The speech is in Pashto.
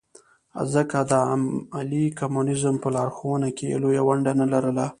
ځکه د عملي کمونیزم په لارښوونه کې یې لویه ونډه نه لرله.